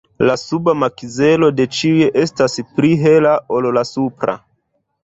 La suba makzelo de ĉiuj estas pli hela ol la supra.